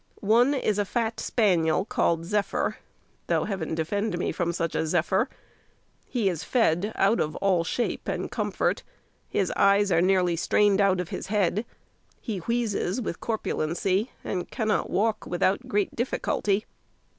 One is a fat spaniel, called Zephyr though heaven defend me from such a zephyr! He is fed out of all shape and comfort; his eyes are nearly strained out of his head; he wheezes with corpulency, and cannot walk without great difficulty.